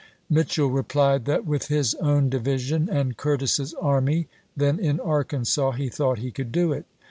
Mitchel replied that with his chap. xx. own division and Curtis's army, then in Arkansas, he thought he could do it.